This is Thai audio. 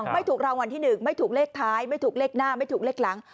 ไม่ถูกรางวัลที่๑ไม่ถูกเลขท้ายไม่ถูกเลขหน้าไม่ถูกเลขหลัง